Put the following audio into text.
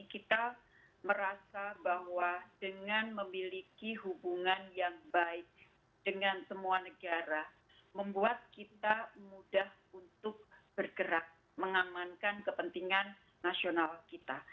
kita merasa bahwa dengan memiliki hubungan yang baik dengan semua negara membuat kita mudah untuk bergerak mengamankan kepentingan nasional kita